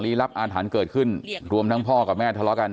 รับอาถรรพ์เกิดขึ้นรวมทั้งพ่อกับแม่ทะเลาะกัน